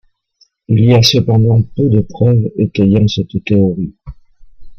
Il y a cependant peu de preuves étayant cette théorie.